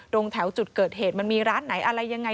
ตรงแถวจุดเกิดเหตุมันมีร้านไหนอะไรยังไง